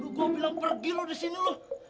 aduh gue bilang pergi lo disini lo